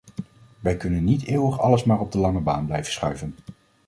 Wij kunnen niet eeuwig alles maar op de lange baan blijven schuiven.